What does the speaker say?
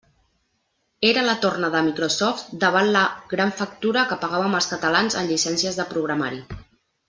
Era la torna de Microsoft davant la gran factura que pagàvem els catalans en llicències de programari.